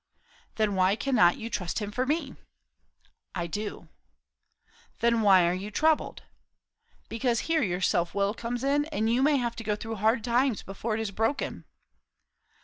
"Then why cannot you trust him for me?" "I do." "Then why are you troubled?" "Because here your self will comes in; and you may have to go through hard times before it is broken."